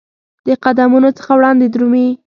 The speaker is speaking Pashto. د قدمونو څخه وړاندي درومې